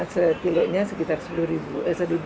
setilunya sekitar rp sepuluh